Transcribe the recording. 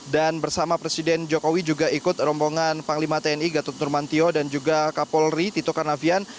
dan bersama presiden jokowi juga ikut rombongan panglima tni gatot nurmantio dan juga kapolri tito karnavian